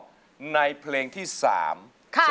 ครับมีแฟนเขาเรียกร้อง